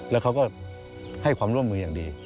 แล้วเขาก็ให้ความร่วมมืออย่างดี